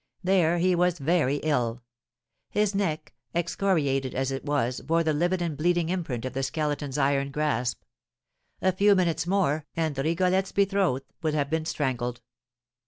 There he was very ill. His neck, excoriated as it was, bore the livid and bleeding imprint of the Skeleton's iron grasp; a few minutes more, and Rigolette's betrothed would have been strangled.